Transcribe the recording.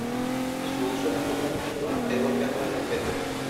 Su uso más común es golpeando el objeto.